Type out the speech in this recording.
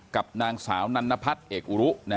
กับสาวนั้นพัดเอกอุรุ